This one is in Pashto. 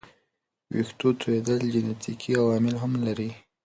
ویښتو توېیدل جنیټیکي عوامل هم لري.